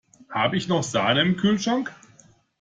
Habe ich noch Sahne im Kühlschrank?